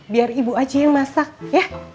biar ibu aci yang masak ya